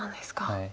はい。